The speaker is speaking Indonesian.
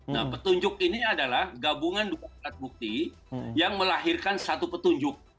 nah petunjuk ini adalah gabungan dua alat bukti yang melahirkan satu petunjuk